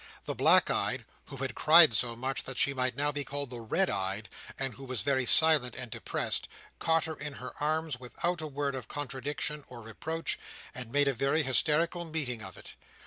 The black eyed (who had cried so much that she might now be called the red eyed, and who was very silent and depressed) caught her in her arms without a word of contradiction or reproach, and made a very hysterical meeting of it.